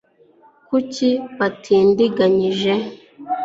kuki watindiganyije